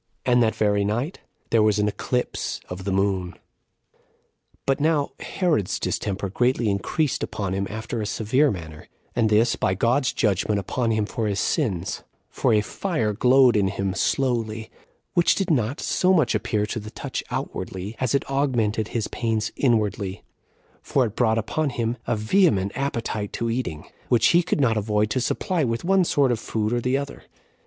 And that very night there was an eclipse of the moon. 8 5. But now Herod's distemper greatly increased upon him after a severe manner, and this by God's judgment upon him for his sins; for a fire glowed in him slowly, which did not so much appear to the touch outwardly, as it augmented his pains inwardly; for it brought upon him a vehement appetite to eating, which he could not avoid to supply with one sort of food or other.